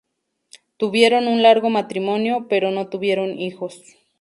Tuvieron un largo matrimonio, pero no tuvieron hijos.